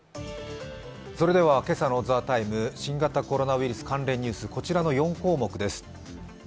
今朝の「ＴＨＥＴＩＭＥ，」、新型コロナウイルス関連ニュース、こちらの４項目です。